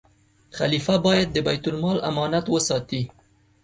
خلیفه باید د بیت المال امانت وساتي.